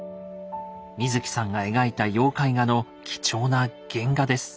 水木さんが描いた妖怪画の貴重な原画です。